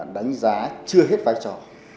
đánh giá chưa hết vai trò